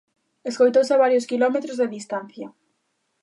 Escoitouse a varios quilómetros de distancia.